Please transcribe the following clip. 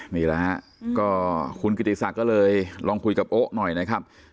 นี่แหละฮะก็คุณกิติศักดิ์ก็เลยลองคุยกับโอ๊ะหน่อยนะครับ